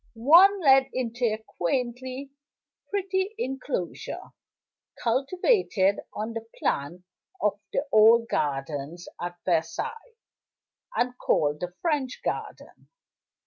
One led into a quaintly pretty inclosure, cultivated on the plan of the old gardens at Versailles, and called the French Garden.